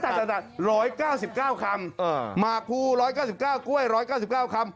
หมากพบลง๑๙๙คำแล้วกล้วย๑๙๙คำ